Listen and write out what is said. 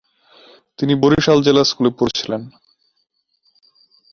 তিনি বরিশাল জেলা স্কুলে পড়েছিলেন।